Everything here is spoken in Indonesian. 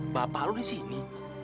bapak lu disini